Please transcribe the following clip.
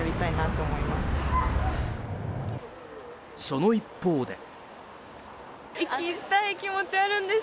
その一方で。